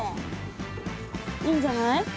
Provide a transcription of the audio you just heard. いいんじゃない？